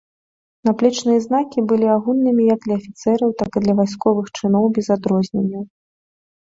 Наплечныя знакі былі агульнымі як для афіцэраў, так і для вайсковых чыноў, без адрозненняў.